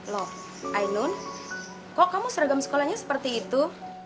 loh ainun kok kamu seragam sekolahnya seperti itu